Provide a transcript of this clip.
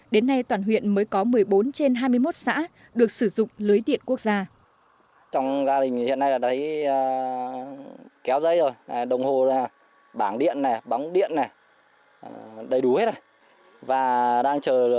đến nay toàn huyện mới có một mươi bốn trên hai mươi một xã được sử dụng lưới điện quốc gia